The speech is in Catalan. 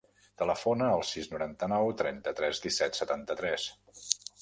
Telefona al sis, noranta-nou, trenta-tres, disset, setanta-tres.